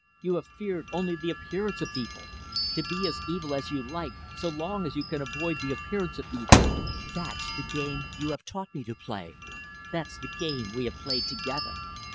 You have feared only the appearance of evil. To be as evil as you like so long as you can avoid the appearance of evil; that's the game you have taught me to play. That's the game we have played together.